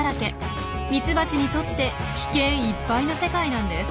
ミツバチにとって危険いっぱいの世界なんです。